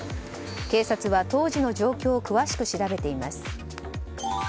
警察は当時の状況を詳しく調べています。